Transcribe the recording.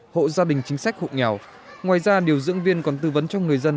hộ gia đình chính sách hộ nghèo ngoài ra điều dưỡng viên còn tư vấn cho người dân